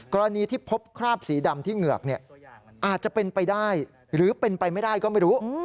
กรณีที่พบคราบสีดำที่เหงือกอาจจะเป็นไปได้หรือเป็นไปไม่ได้ก็ไม่รู้